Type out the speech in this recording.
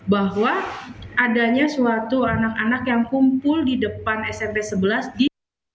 bahwa adanya suatu anak anak yang kumpul di depan smp sebelas di